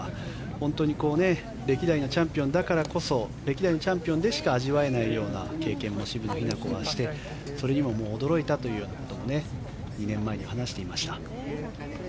本当に歴代のチャンピオンだからこそ歴代のチャンピオンでしか味わえない経験を渋野日向子はしてそれにも驚いたというように２年前に話していました。